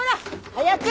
早く！